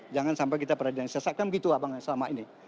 jangan sampai kita peradilan sesat kan begitu abang selama ini